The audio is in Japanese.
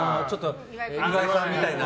岩井さんみたいな。